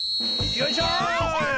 よいしょい！